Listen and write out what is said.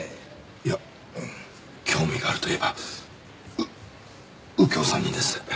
いや興味があるといえばう右京さんにです。